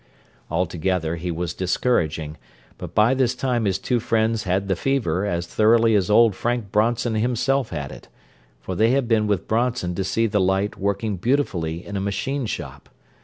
Altogether, he was discouraging, but by this time his two friends "had the fever" as thoroughly as old Frank Bronson himself had it; for they had been with Bronson to see the light working beautifully in a machine shop.